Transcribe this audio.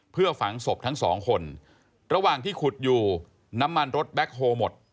เพื่อฝังศพทั้งสองคนระหว่างที่ขุดอยู่น้ำมันรถแบ็คโฮลหมด